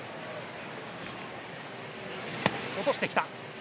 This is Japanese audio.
落としてきた。